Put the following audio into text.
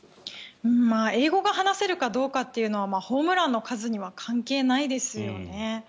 英語が話せるかどうかというのはホームランの数には関係ないですよね。